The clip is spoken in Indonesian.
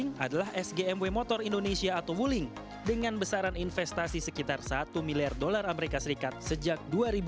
yang pertama adalah sgmw motor indonesia atau wuling dengan besaran investasi sekitar satu miliar dolar as sejak dua ribu enam belas